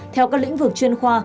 theo các lĩnh vực chuyên khoa